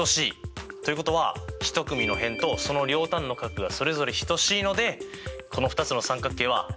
ということは１組の辺とその両端の角がそれぞれ等しいのでこの２つの三角形は合同ですね。